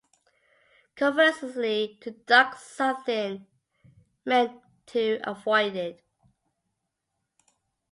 Conversely, "to duck something" meant to avoid it.